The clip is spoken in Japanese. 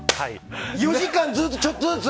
４時間ずっと、ちょっとずつ？